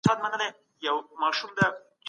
د افغانستان ادبیات هم ډېر لرغوني دي.